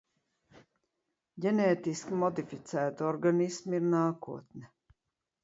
Ģenētiski modificēti organismi ir nākotne.